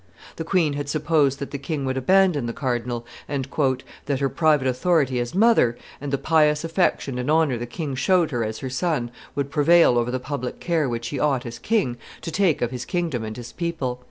The queen had supposed that the king would abandon the cardinal, and "that her private authority as mother, and the pious affection and honor the king showed her as her son, would prevail over the public care which he ought, as king, to take of his kingdom and his people.